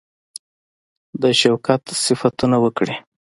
د شوکت صفتونه وکړي.